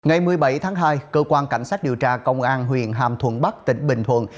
ngày một mươi bảy tháng hai cơ quan cảnh sát điều tra công an huyện hàm thuận bắc tỉnh bình thuận